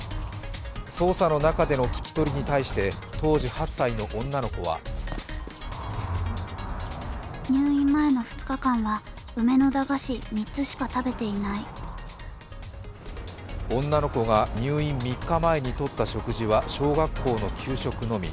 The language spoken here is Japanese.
捜査の中での聞き取りに対して、当時８歳の女の子は女の子が入院３日前に取った食事は小学校の給食のみ。